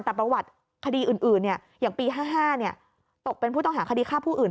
แต่ประวัติคดีอื่นเนี่ยอย่างปีห้าห้าเนี่ยตกเป็นผู้ต้องหาคดีฆ่าผู้อื่น